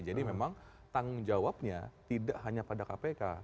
jadi memang tanggung jawabnya tidak hanya pada kpk